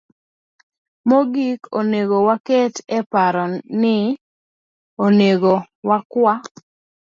Mogik, onego waket e paro ni onego wakwa